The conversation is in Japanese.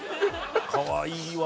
かわいいわ。